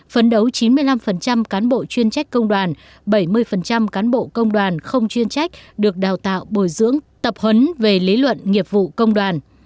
phấn đấu chín mươi năm cán bộ chuyên trách công đoàn bảy mươi cán bộ công đoàn không chuyên trách được đào tạo bồi dưỡng tập huấn về lý luận nghiệp vụ công đoàn